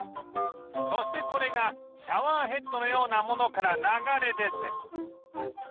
そしてこれがシャワーヘッドのようなものから流れ出て